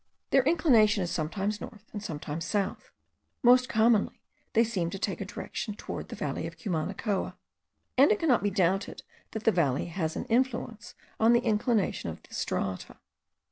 Their inclination is sometimes north and sometimes south; most commonly they seem to take a direction towards the valley of Cumanacoa; and it cannot be doubted that the valley has an influence* on the inclination of the strata.